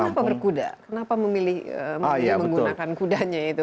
kenapa berkuda kenapa memilih menggunakan kudanya itu